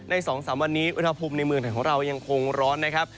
๒๓วันนี้อุณหภูมิในเมืองไทยของเรายังคงร้อนนะครับ